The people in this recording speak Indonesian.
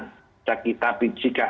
tapi jika ada yang tidak